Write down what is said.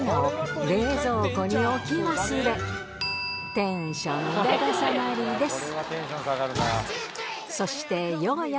テンションだだ下がりです